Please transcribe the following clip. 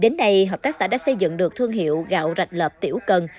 đến nay hợp tác xã đã xây dựng được thương hiệu gạo rạch lợp tiểu cần